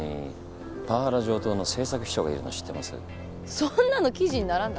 そんなの記事にならない。